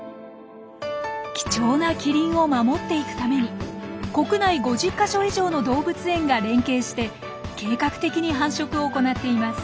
貴重なキリンを守っていくために国内５０か所以上の動物園が連携して計画的に繁殖を行っています。